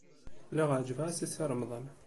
Lliɣ ɛejbeɣ-as i Si Remḍan.